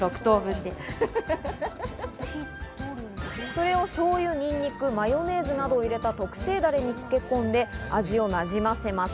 それをしょうゆ、ニンニク、マヨネーズなどを入れた特製ダレに漬け込んで味をなじませます。